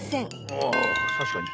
ああたしかに。